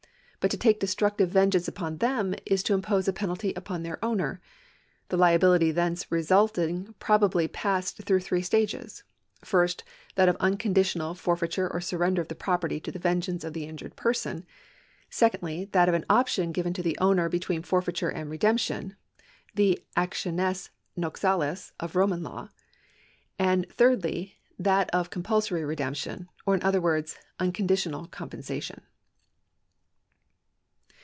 But to take destructive vengeance upon tliem is to impose a penalty upon their oivner. The liability thence resulting probably passed through three stages : fii'st, that of unconditional for feiture or surrender of the property to the vengeance of the injured person ; secondly, that of an option given to the owner between forfeiture and redemption — the actiones noxales of Roman law ;^ and thirdly, that of compulsory redemption, or in other words, unconditional compensation.